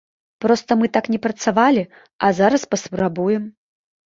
Проста мы так не працавалі, а зараз паспрабуем.